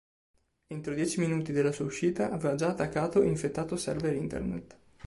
Entro dieci minuti della sua uscita, aveva già attaccato e infettato server internet.